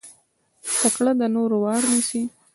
تکړه د نورو وار نيسي.